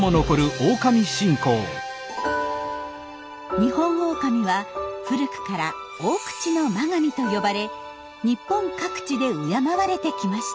ニホンオオカミは古くから「大口の眞神」と呼ばれ日本各地で敬われてきました。